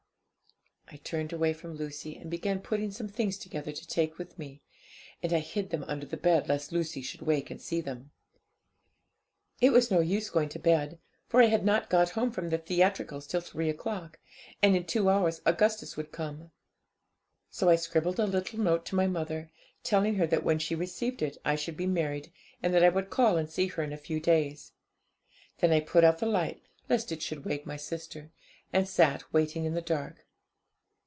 'I turned away from Lucy, and began putting some things together to take with me, and I hid them under the bed, lest Lucy should wake and see them. It was no use going to bed, for I had not got home from the theatricals till three o'clock, and in two hours Augustus would come. So I scribbled a little note to my mother, telling her that when she received it I should be married, and that I would call and see her in a few days. Then I put out the light, lest it should wake my sister, and sat waiting in the dark.